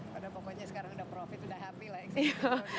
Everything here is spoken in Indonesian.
pada pokoknya sekarang udah profit udah happy lah eksekutif produser